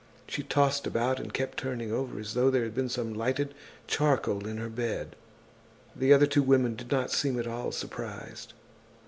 She tossed about and kept turning over as though there had been some lighted charcoal in her bed." The other two women did not seem at all surprised.